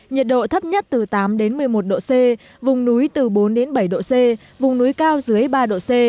nhiệt độ thấp nhất từ tám đến một mươi một độ c vùng núi từ bốn bảy độ c vùng núi cao dưới ba độ c